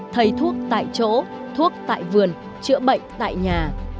thầy thuốc tại chỗ thuốc tại vườn chữa bệnh tại nhà